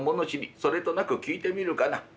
それとなく聞いてみるかな。